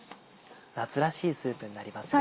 夏らしいスープになりますね。